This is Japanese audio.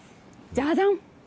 じゃじゃん。